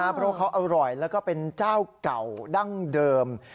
เพราะเขาอร่อยแล้วก็เป็นเจ้าเก่าดั้งเดิม